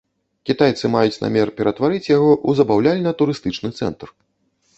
Кітайцы маюць намер ператварыць яго ў забаўляльна-турыстычны цэнтр.